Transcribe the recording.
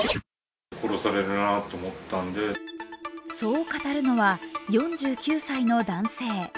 そう語るのは４９歳の男性。